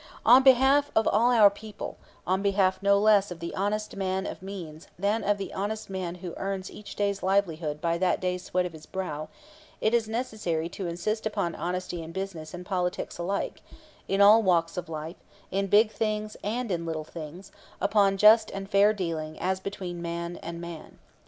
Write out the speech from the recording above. On behalf of all our people, on behalf no less of the honest man of means than of the honest man who earns each day's livelihood by that day's sweat of his brow, it is necessary to insist upon honesty in business and politics alike, in all walks of life, in big things and in little things; upon just and fair dealing as between man and man.